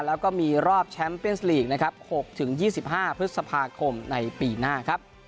แล้วก็มีรอบแชมป์เปียนส์ลีกนะครับ๖๒๕พฤษภาคมในปีหน้าครับ